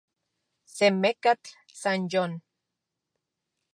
Se mekatl, san yon.